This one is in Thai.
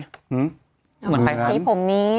คุณแม่ของคุณแม่ของคุณแม่